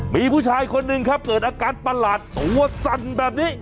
มีผู้ชายคนหนึ่งครับเกิดอาการประหลาดตัวสั่นแบบนี้